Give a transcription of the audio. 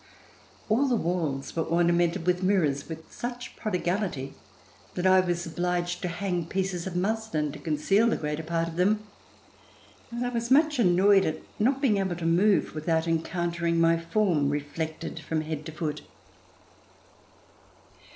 All the walls were ornamented with mirrors, with such prodigality that I was obliged to hang pieces of muslin to conceal the greater part of them, as I was much annoyed at not being able to move without encountering my form reflected from head to foot.